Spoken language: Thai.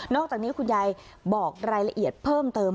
อกจากนี้คุณยายบอกรายละเอียดเพิ่มเติม